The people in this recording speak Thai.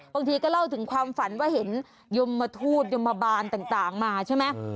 บางทีก็เล่าถึงความฝันว่าเห็นยมทูตยมบาลต่างมาใช่ไหม